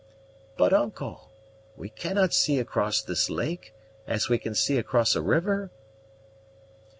"But, uncle, we cannot see across this lake, as we can see across a river."